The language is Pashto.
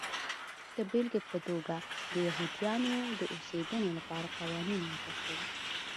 د بېلګې په توګه د یهودیانو د اوسېدنې لپاره قوانین وضع شول.